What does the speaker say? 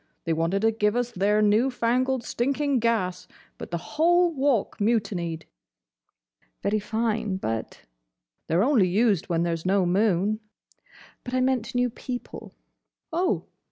They wanted to give us their new fangled, stinking gas, but the whole Walk mutinied." "Very fine, but—" "They 're only used when there's no moon." "But I meant new people!" "Oh!